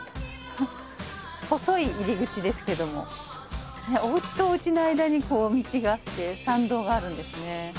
細い入り口ですけどもお家とお家の間にこう道があって参道があるんですね。